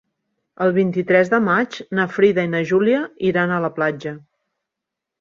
El vint-i-tres de maig na Frida i na Júlia iran a la platja.